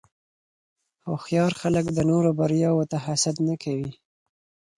هوښیار خلک د نورو بریاوو ته حسد نه کوي.